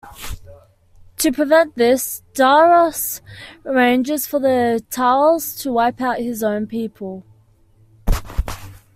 To prevent this, Davros arranges for the Thals to wipe out his own people.